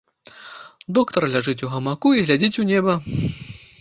Доктар ляжыць у гамаку і глядзіць у неба.